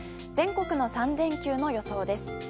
全国の３連休の予想です。